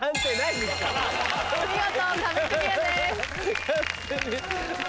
見事壁クリアです。